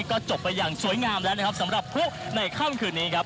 ก็จบไปอย่างสวยงามแล้วนะครับสำหรับผู้ในค่ำคืนนี้ครับ